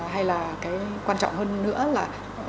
hay là cái quan trọng hơn nữa là